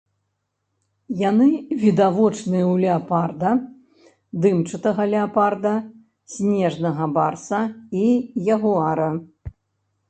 Яны відавочныя ў леапарда, дымчатага леапарда, снежнага барса і ягуара.